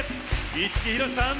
五木ひろしさん